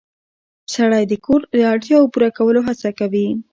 سړی د کور د اړتیاوو پوره کولو هڅه کوي